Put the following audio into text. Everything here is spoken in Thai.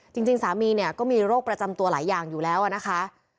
จริงสามีเนี่ยก็มีโรคประจำตัวหลายอย่างอยู่แล้วนะคะ